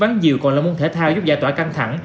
nhiều còn là môn thể thao giúp giải tỏa căng thẳng